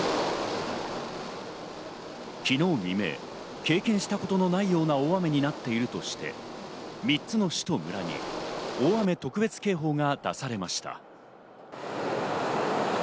昨日未明、経験したことのないような大雨になっているとして、３つの市と村に大雨特別警報が出されました。